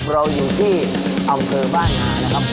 เราอยู่ที่อำเภอบ้านนานะครับ